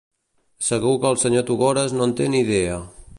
Segur que el senyor Tugores no en té ni idea.